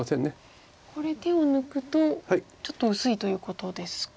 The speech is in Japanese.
これ手を抜くとちょっと薄いということですか。